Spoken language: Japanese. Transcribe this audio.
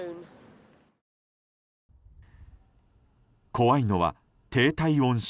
怖いのは低体温症。